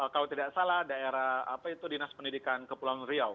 kalau tidak salah daerah apa itu dinas pendidikan kepulauan riau